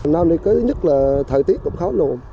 năm nay có nhất là thời tiết cũng khó lùm